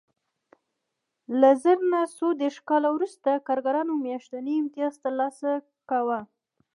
له زر نه سوه دېرش کال وروسته کارګرانو میاشتنی امتیاز ترلاسه کاوه